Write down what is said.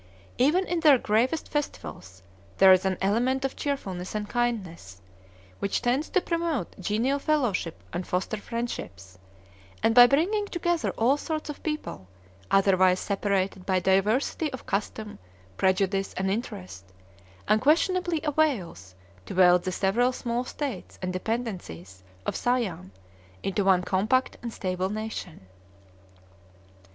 Even in their gravest festivals there is an element of cheerfulness and kindness, which tends to promote genial fellowship and foster friendships, and by bringing together all sorts of people, otherwise separated by diversity of custom, prejudice, and interest, unquestionably avails to weld the several small states and dependencies of Siam into one compact and stable nation.